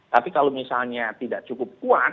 tapi kalau misalnya tidak cukup kuat